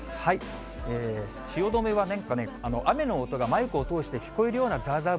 汐留は雨の音がマイクを通して聞こえるようなざーざー